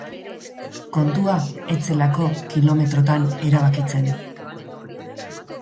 Kontua ez zelako kilometrotan erabakitzen.